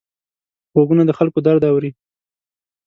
غوږونه د خلکو درد اوري